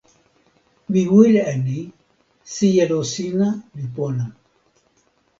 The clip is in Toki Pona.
mi wile e ni: sijelo sina li pona.